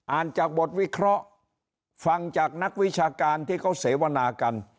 จากบทวิเคราะห์ฟังจากนักวิชาการที่เขาเสวนากัน